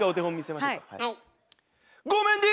はい。